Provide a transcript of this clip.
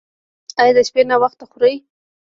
ایا د شپې ناوخته خورئ؟